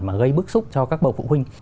mà gây bức xúc cho các bậu phụ huynh